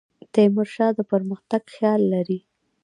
تیمور شاه د پرمختګ خیال لري.